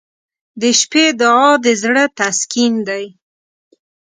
• د شپې دعا د زړه تسکین دی.